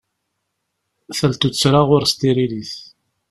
Tal tuttra ɣur-s tiririt.